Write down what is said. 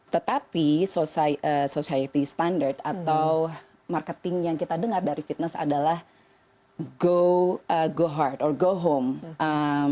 tetapi society standard atau marketing yang kita dengar dari fitness adalah go hard or go home